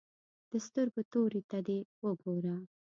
د سترګو تورې ته دې وګوره.